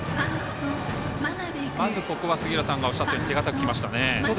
まずここは杉浦さんがおっしゃったように手堅くきましたね。